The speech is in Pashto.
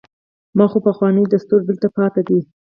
دا خو پخوانی دستور دلته پاتې دی.